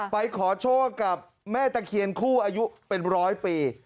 ไปขอโชคกับแม่ตะเคียนคู่อายุเป็นร้อยปี